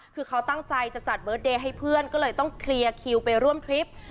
คือเขาตั้งใจจะจัดเบิร์ตเดย์ให้เพื่อนก็เลยต้องเคลียร์คิวไปร่วมทริป